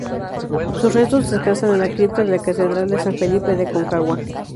Sus restos descansan en la Cripta de la Catedral de San Felipe de Aconcagua.